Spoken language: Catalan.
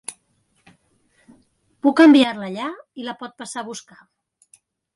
Puc enviar-la allà i la pot passar a buscar.